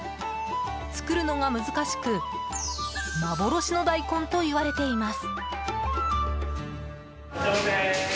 作るのが難しく幻の大根といわれています。